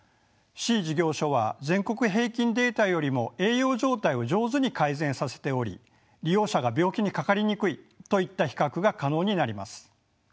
「Ｃ事業所は全国平均データよりも栄養状態を上手に改善させており利用者が病気にかかりにくい」といった比較が可能になります。